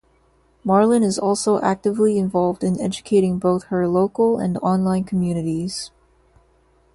Marlin is also actively involved in educating both her local and online communities.